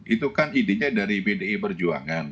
itu kan idenya dari pdi berjuangan